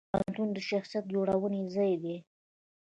پوهنتون د شخصیت جوړونې ځای دی.